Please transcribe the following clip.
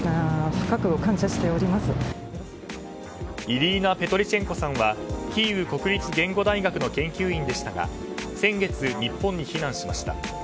イリーナ・ペトリチェンコさんはキーウ国立言語大学の研究員でしたが先月、日本に避難しました。